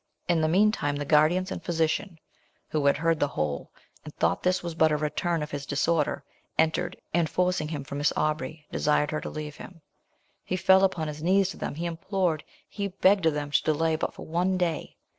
In the meantime the guardians and physician, who had heard the whole, and thought this was but a return of his disorder, entered, and forcing him from Miss Aubrey, desired her to leave him. He fell upon his knees to them, he implored, he begged of them to delay but for one day.